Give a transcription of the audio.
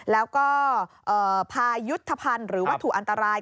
แล้วก็พายุทธภัณฑ์หรือวัตถุอันตราย